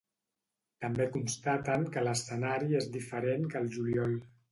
També constatem que l’escenari és diferent que al juliol.